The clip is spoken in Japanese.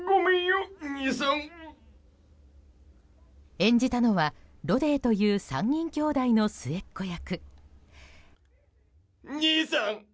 演じたのはロデーという３人兄弟の末っ子役。